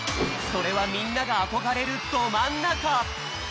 それはみんながあこがれるどまんなか！